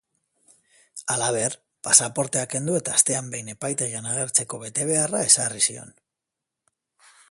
Halaber, pasaportea kendu eta astean behin epaitegian agertzeko betebeharra ezarri zion.